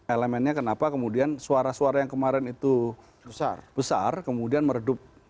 elemennya kenapa kemudian suara suara yang kemarin itu besar kemudian meredup